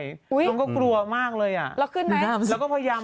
ซมก็กลัวมากเลยอะ